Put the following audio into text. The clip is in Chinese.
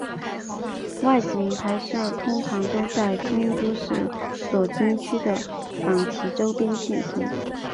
外景拍摄通常都在京都市左京区的冈崎周边进行。